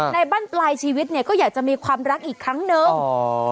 ในบ้านปลายชีวิตเนี่ยก็อยากจะมีความรักอีกครั้งนึง